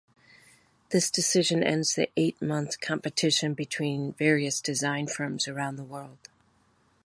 This decision ends the eight-month competition between various design firms around the world.